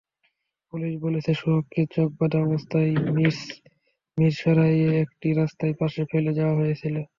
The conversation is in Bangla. পুলিশ বলেছে, সোহাগকে চোখ বাঁধা অবস্থায় মিরসরাইয়ের একটি রাস্তার পাশে ফেলে যাওয়া হয়েছিল।